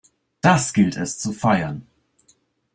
Das gilt es zu feiern!